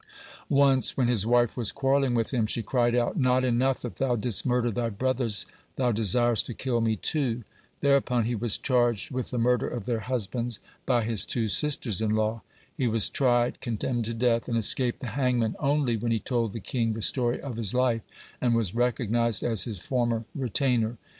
Once, when his wife was quarrelling with him, she cried out: "Not enough that thou didst murder thy brothers, thou desirest to kill me, too." Thereupon he was charged with the murder of their husbands by his two sisters in law. He was tried, condemned to death, and escaped the hangman only when he told the king the story of his life, and was recognized as his former retainer.